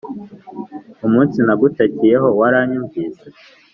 Umunsi nagutakiyeho waranyumvise